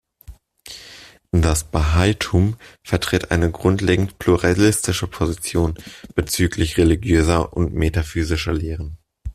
Das Bahaitum vertritt eine grundlegend pluralistische Position bezüglich religiöser und metaphysischer Lehren.